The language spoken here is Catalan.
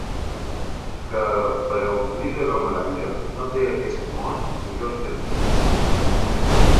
...que, per a omplir d'aroma l'aire, no té aquest món millors jardins.